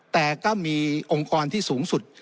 แต่ก็มีองค์กรที่สูงสุด